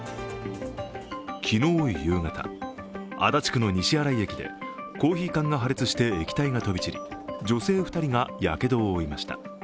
昨日夕方、足立区の西新井駅でコーヒー缶が破裂して液体が飛び散り女性２人がやけどを負いました。